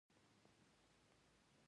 د لیکوال نوم باید په متن کې نه وي.